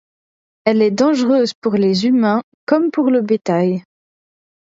Elle est dangereuse pour les humains comme pour le bétail.